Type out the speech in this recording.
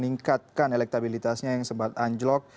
meningkatkan elektabilitasnya yang sempat anjlok